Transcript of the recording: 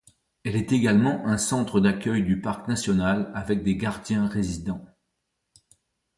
Elle est également un centre d'accueil du parc national avec des gardiens résidents.